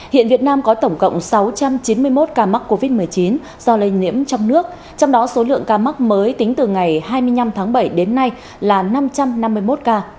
hiện việt nam có tổng cộng sáu trăm chín mươi một ca mắc covid một mươi chín do lây nhiễm trong nước trong đó số lượng ca mắc mới tính từ ngày hai mươi năm tháng bảy đến nay là năm trăm năm mươi một ca